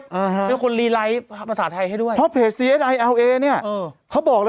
อ่าฮะแล้วคนรีไลก์ภาพภาษาไทยให้ด้วยเพราะเพจเนี้ยเออเขาบอกเลย